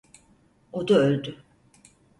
O da öldü.